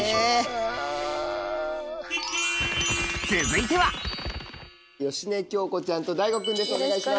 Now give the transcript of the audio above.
続いては芳根京子ちゃんとＤＡＩＧＯ君です